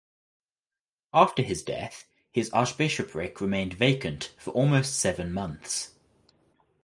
After his death his archbishopric remained vacant for almost seven months.